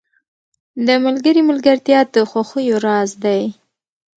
• د ملګري ملګرتیا د خوښیو راز دی.